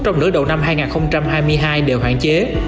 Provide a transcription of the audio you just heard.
trong nửa đầu năm hai nghìn hai mươi hai đều hạn chế